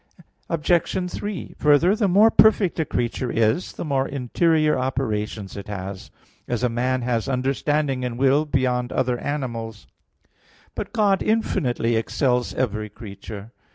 Obj. 3: Further, the more perfect a creature is, the more interior operations it has; as a man has understanding and will beyond other animals. But God infinitely excels every creature.